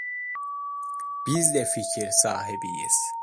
Biz de fikir sahibiyiz…